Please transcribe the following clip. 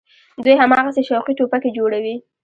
دوى هماغسې شوقي ټوپکې جوړوي.